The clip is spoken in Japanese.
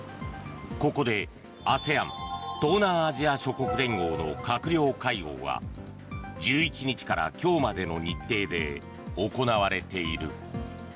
ここでＡＳＥＡＮ・東南アジア諸国連合の閣僚会合が１１日から今日までの日程で行われている。